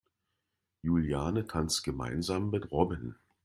Juliane tanzt gemeinsam mit Robin.